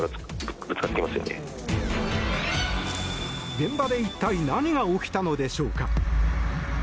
現場で一体何が起きたのでしょうか。